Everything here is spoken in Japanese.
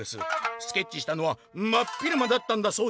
スケッチしたのはまっ昼間だったんだそうです！」。